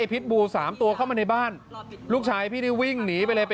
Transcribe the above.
พิษบูสามตัวเข้ามาในบ้านลูกชายพี่ได้วิ่งหนีไปเลยไป